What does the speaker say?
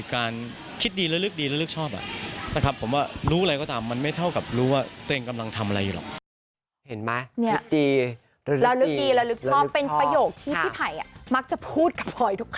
การคิดดีและลึกดีและลึกชอบ